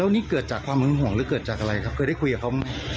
นี่เกิดจากความหึงห่วงหรือเกิดจากอะไรครับเคยได้คุยกับเขาไหม